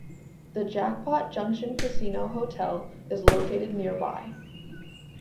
The Jackpot Junction Casino Hotel is located nearby.